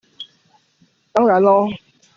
當然囉